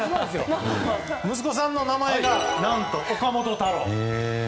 息子さんの名前が何と岡本太郎。